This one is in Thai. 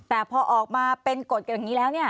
แต่พอออกมาเป็นกฎกันอย่างนี้แล้ว